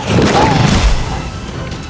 kisah kisah yang terjadi di dalam hidupku